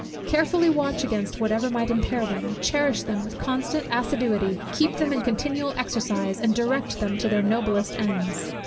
Carefully watch against whatever might impair them, cherish them with constant assiduity, keep them in continual exercise, and direct them to their noblest ends.